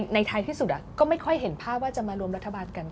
ท้ายที่สุดก็ไม่ค่อยเห็นภาพว่าจะมารวมรัฐบาลกัน